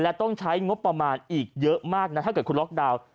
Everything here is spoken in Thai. และต้องใช้งบประมาณอีกเยอะมากนะถ้าเกิดคุณล็อกดาวน์